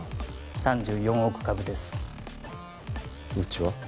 ３４億株ですうちは？